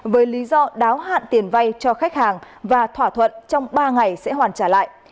với lý do đáo hạn tiền vay cho khách hàng và thỏa thuận trong ba ngày sẽ hoàn trả lại